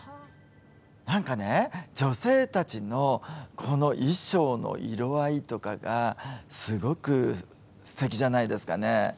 なんかね、女性たちのこの衣装の色合いとかがすごく、すてきじゃないですかね。